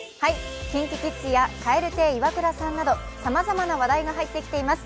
ＫｉｎＫｉＫｉｄｓや蛙亭イワクラさんなど、さまざまな話題が入ってきています。